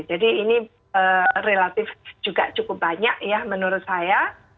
jadi ini relatif juga cukup banyak ya menurut saya